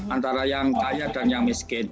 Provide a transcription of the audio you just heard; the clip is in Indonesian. antara yang kaya dan yang miskin